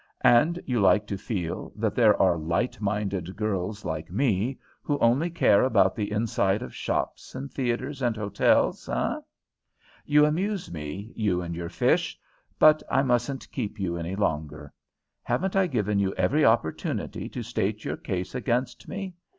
"And you like to feel that there are light minded girls like me, who only care about the inside of shops and theatres and hotels, eh? You amuse me, you and your fish! But I mustn't keep you any longer. Haven't I given you every opportunity to state your case against me?